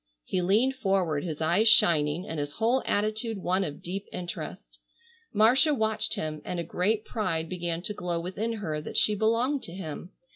He leaned forward, his eyes shining and his whole attitude one of deep interest. Marcia watched him, and a great pride began to glow within her that she belonged to him.